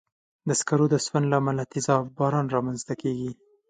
د سکرو د سون له امله تېزاب باران رامنځته کېږي.